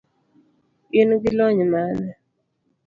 in gi lony mane?